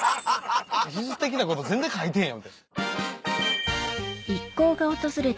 技術的なこと全然書いてへん。